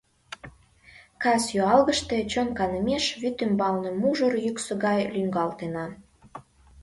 Кас юалгыште чон канымеш вӱд ӱмбалне мужыр йӱксӧ гай лӱҥгалтена.